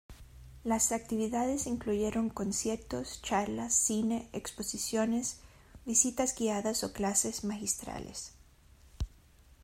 Las actividades incluyeron conciertos, charlas, cine, exposiciones, visitas guiadas o clases magistrales.